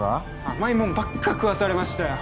甘いもんばっか食わされましたよ